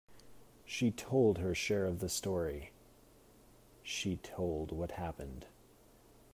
She told her share of the story — she told what happened.